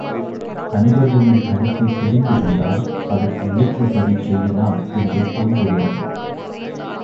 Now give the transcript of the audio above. அன்பர்களின் கருத்தைத் தெரிந்து கொண்டால் அதற்கு ஏற்றபடி செய்யலாம் என்று தோன்றுகிறது.